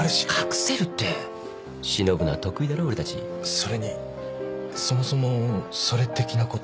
それにそもそもそれ的なこと？